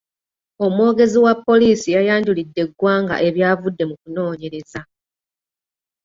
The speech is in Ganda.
Omwogezi wa poliisi yayanjulidde eggwanga ebyavudde mu kunoonyereza.